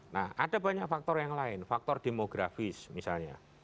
nah ada banyak faktor yang lain faktor demografis misalnya